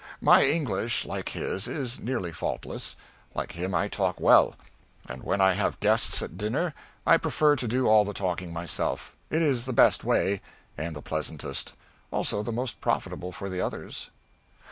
My English, like his, is nearly faultless; like him I talk well; and when I have guests at dinner I prefer to do all the talking myself. It is the best way, and the pleasantest. Also the most profitable for the others.